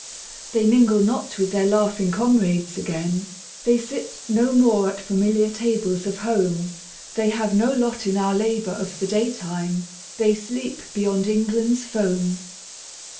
They mingle not with their laughing comrades again; They sit no more at familiar tables of home; They have no lot in our labour of the day time; They sleep beyond England's foam.